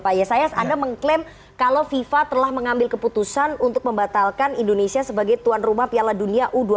pak yesayas anda mengklaim kalau fifa telah mengambil keputusan untuk membatalkan indonesia sebagai tuan rumah piala dunia u dua puluh